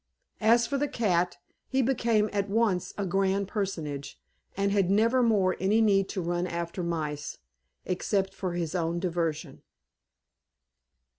As for the cat, he became at once a grand personage, and had never more any need to run after mice, except for his own diversion.